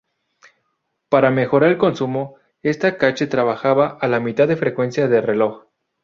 Para mejorar el consumo, esta cache trabaja a la mitad de frecuencia de reloj.